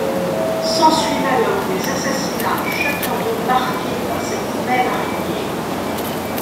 S'ensuivent alors des assassinats, chacun d'eux marqué par cette même araignée...